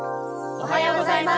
おはようございます。